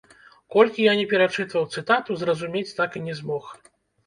Колькі я ні перачытваў цытату, зразумець так і не змог.